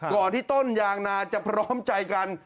ก่อนที่ต้นยางนาจะพร้อมใจกัน